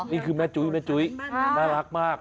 นี่คือแม่จุ้ยน่ารักมาก